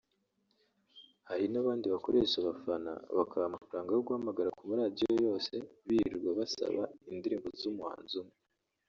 hari n’abandi bakoresha abafana bakabaha amafaranga yo guhamagara ku maradiyo yose birirwa basaba indirimbo z’umuhanzi umwe